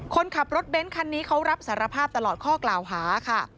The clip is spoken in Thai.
คนขับรถเบ้นคันนี้เขารับสารภาพตลอดข้อกล่าวหาค่ะ